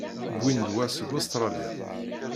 Wwiɣ-d wa seg Ustṛalya.